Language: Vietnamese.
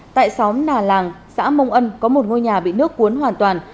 tại xóm nà làng xã mông ân có một ngôi nhà bị nước cuốn hoàn toàn